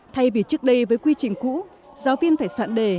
thay vì trước đây với quy trình cũ giáo viên phải soạn đề